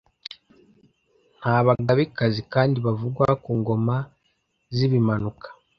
Nta Bagabekazi kandi bavugwa ku ngoma z'Ibimanuka,